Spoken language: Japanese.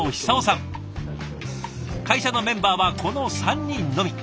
会社のメンバーはこの３人のみ。